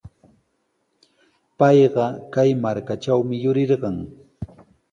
Payqa kay markatrawmi yurirqan.